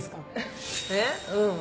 えっうん。